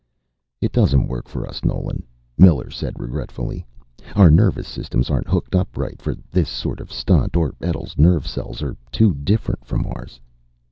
"It doesn't work with us, Nolan," Miller said regretfully. "Our nervous systems aren't hooked up right for this sort of stunt, or Etl's nerve cells are too different from ours."